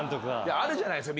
あるじゃないっすか